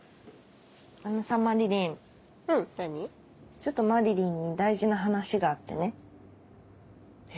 ちょっとまりりんに大事な話があってえ？